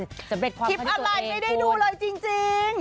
คลิปอะไรไม่ได้ดูเลยจริง